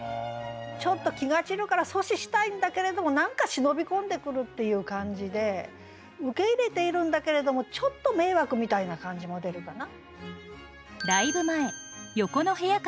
ちょっと気が散るから阻止したいんだけれども何か忍び込んでくるっていう感じで受け入れているんだけれどもちょっと迷惑みたいな感じも出るかな。